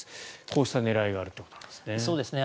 こうした狙いがあるということなんですね。